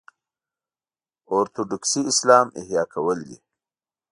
اورتوډوکسي اسلام احیا کول دي.